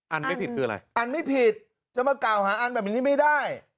อันไม่ผิดคืออะไรอันไม่ผิดจะมากล่าวหาอันแบบนี้ไม่ได้